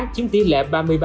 chiếm tỷ lệ ba mươi ba